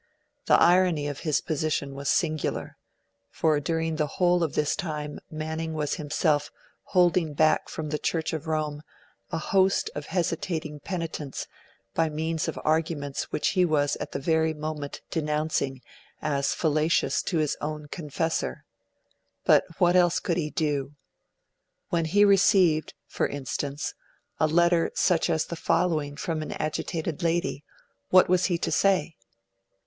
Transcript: The irony of his position was singular; for, during the whole of this time, Manning was himself holding back from the Church of Rome a host of hesitating penitents by means of arguments which he was at the very moment denouncing as fallacious to his own confessor. But what else could he do? When he received, for instance, a letter such as the following from an agitated lady, what was he to say?